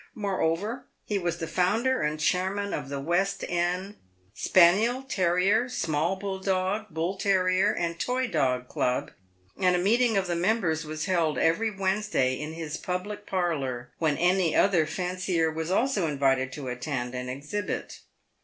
Moreover, he was the founder and chairman of the West end Spaniel, Terrier, small Bulldog, Bull Terrier, and Toy dog Club, and a meeting of the members was held every A¥ednesday in his public parlour, when any other fancier was also invited to attend and ex hibit.